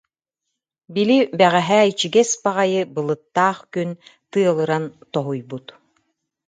Били бэҕэһээ ичигэс баҕайы, былыттаах күн, тыалыран тоһуйбут